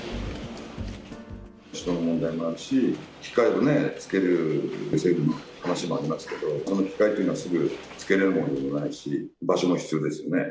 人の問題もあるし、機械を付けるとか、政府の話もありますけど、その機械というのもすぐ付けれるものでもないし、場所も必要ですよね。